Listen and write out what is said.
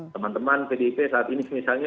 teman teman pdip saat ini misalnya